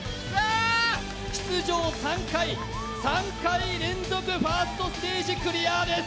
出場３回３回連続ファーストステージクリアです！